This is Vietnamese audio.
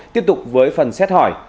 tiếp tục với phần xét hỏi